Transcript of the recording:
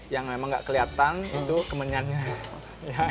yang memang gak kelihatan itu kemenyannya